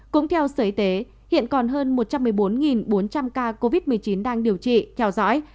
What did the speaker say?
cũng theo sở y tế hiện còn hơn một trăm một mươi bốn bốn trăm linh ca covid một mươi chín đang điều trị theo dõi